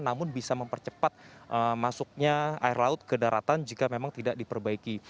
namun bisa mempercepat masuknya air laut ke daratan jika memang tidak diperbaiki